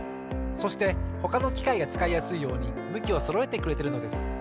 そしてほかのきかいがつかいやすいようにむきをそろえてくれてるのです。